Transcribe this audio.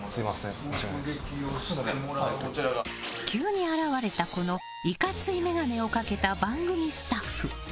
急に現れたこの、いかつい眼鏡をかけた番組スタッフ。